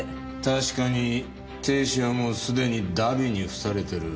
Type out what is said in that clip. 確かに亭主はもうすでに荼毘にふされてる。